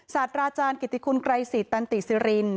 สาธาราจารย์กิติคุณไกรศิตตันติศิรินทร์